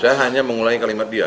saya hanya mengulangi kalimat dia